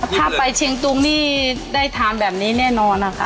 ถ้าไปเชียงตุงนี่ได้ทานแบบนี้แน่นอนนะคะ